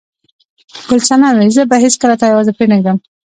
ګل صنمې، زه به هیڅکله تا یوازې پرېنږدم.